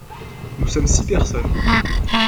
Nous sommes six personnes.